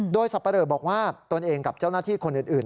โดยสับปะเลอบอกว่าตนเองกับเจ้าหน้าที่คนอื่น